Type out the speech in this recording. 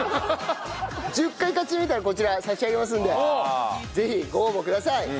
１０回勝ち抜いたらこちら差し上げますのでぜひご応募ください。